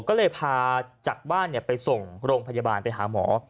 ก็เลยพาจากบ้านไปส่งโรงพยาบาลไปหาหมอ